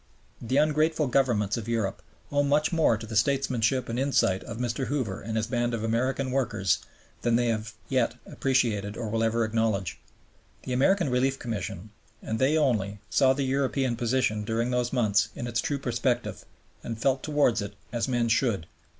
The ungrateful Governments of Europe owe much more to the statesmanship and insight of Mr. Hoover and his band of American workers than they have yet appreciated or will ever acknowledge. The American Relief Commission, and they only, saw the European position during those months in its true perspective and felt towards it as men should.